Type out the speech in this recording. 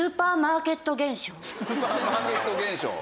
スーパーマーケット現象。